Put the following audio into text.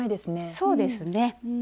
そうですね。